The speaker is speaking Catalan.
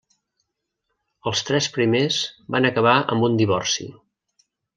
Els tres primers van acabar amb un divorci.